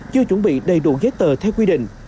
chưa chuẩn bị đầy đủ giấy tờ theo quy định